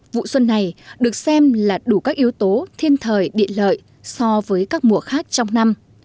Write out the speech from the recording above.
vụ xuân này được xem là đủ các yếu tố thiên thời địa lợi so với các mùa khác trong năm